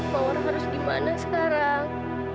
mawar harus gimana sekarang